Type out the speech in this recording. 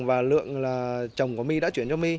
và lượng là chồng của my đã chuyển cho my